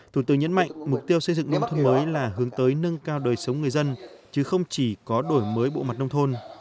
thủ tướng nhấn mạnh mục tiêu xây dựng nông thôn mới là hướng tới nâng cao đời sống người dân chứ không chỉ có đổi mới bộ mặt nông thôn